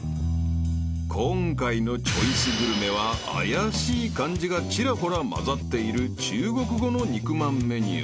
［今回のチョイスグルメは怪しい漢字がちらほら交ざっている中国語の肉まんメニュー］